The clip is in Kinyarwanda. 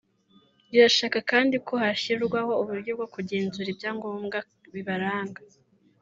rirashaka kandi ko hashyirwaho uburyo bwo kugenzura ibyangombwa bibaranga